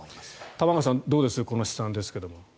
玉川さん、どうですこの試算ですが。